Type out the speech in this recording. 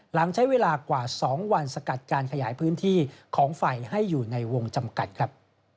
หลังใช้เวลากว่า๒วันสกัดการขยายพื้นที่ของไฟให้อยู่ในวงจำกัดครับ